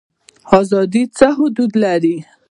ازادي څه حدود لري؟